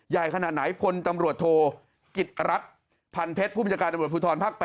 ใหญ่ขนาดไหนพลตำรวจโทกิจรัฐพันเพชรผู้บัญชาการตำรวจภูทรภาค๘